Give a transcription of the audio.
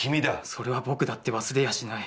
「それは僕だって忘れやしない。